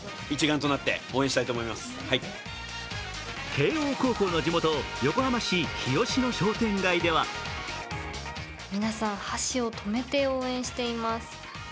慶応高校の地元、横浜市日吉の商店街では皆さん箸を止めて、応援しています。